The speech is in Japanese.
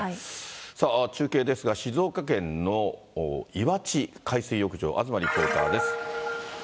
さあ、中継ですが、静岡県の岩地海水浴場、東リポーターです。